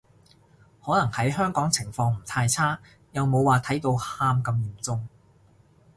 可能喺香港情況唔太差，又冇話睇到喊咁嚴重